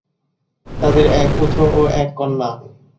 তাদের এক পুত্র ও এক কন্যা।